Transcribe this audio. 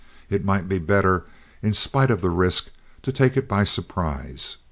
It might be better, in spite of the risk, to take it by surprise."